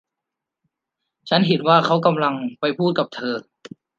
ฉันเห็นว่าเขากำลังเข้าไปพูดกับเธอ